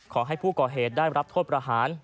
ขอให้ผู้ก่อเหตุได้รับโทษประหาร